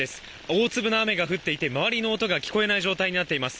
大粒の雨が降っていて周りの音が聞こえない状態になっています。